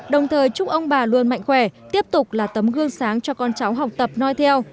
đồng thời chúc ông bà luôn mạnh khỏe tiếp tục là tấm gương sáng cho con cháu học tập nói theo